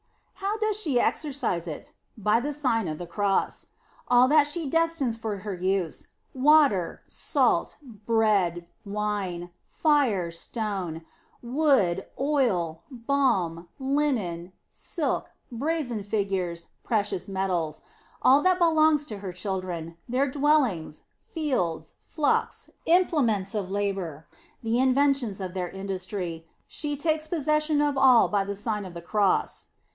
How does she exercise it? By the Sign of the Cross. All that she destines for her use water, salt, bread, wine, fire, stone, wood, oil, balm, linen, silk, brazen figures, precious metals all that belongs to her children ; their dwellings, fields, flocks, imple ments of labor, the inventions of their industry she takes possession of all by the Sign of the Cross.